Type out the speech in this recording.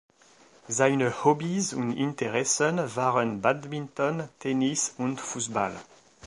Seine Hobbys und Interessen waren Badminton, Tennis und Fußball.